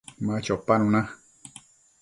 Ma chopanuna